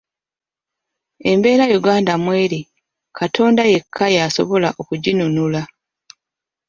Embeera Uganda mw'eri Katonda yekka y'asobola okuginunula.